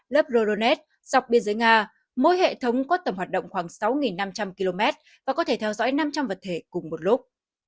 lớp ronet dọc biên giới nga mỗi hệ thống có tầm hoạt động khoảng sáu năm trăm linh km và có thể theo dõi năm trăm linh vật thể cùng một lúc